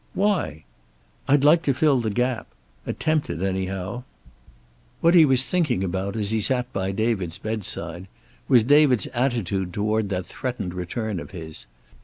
"Why?" "I'd like to fill the gap. Attempt it anyhow." What he was thinking about, as he sat by David's bedside, was David's attitude toward that threatened return of his.